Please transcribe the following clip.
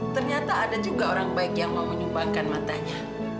ternyata ada juga orang baik yang mau menyumbangkan matanya